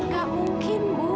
gak mungkin bu